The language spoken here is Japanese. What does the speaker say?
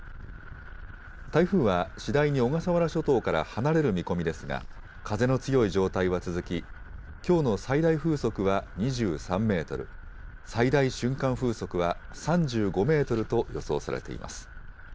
台風は次第に小笠原諸島から離れる見込みですが、風の強い状態は続き、きょうの最大風速は２３メートル、最大瞬間風速は３５メートルと予想されています。